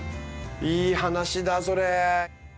いい話だそれ。